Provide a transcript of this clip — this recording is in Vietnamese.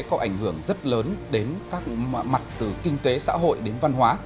có ảnh hưởng rất lớn đến các mặt từ kinh tế xã hội đến văn hóa